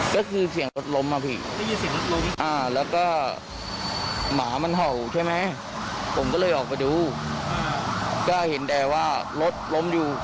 เมื่อคืนเนี่ยได้ยินเสียงอะไรครับเมื่อคืน